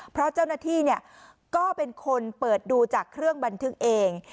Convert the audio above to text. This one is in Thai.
เพราะเจ้าหน้าที่ก็เป็นคนเปิดดูจากเครื่องบันทึกเอง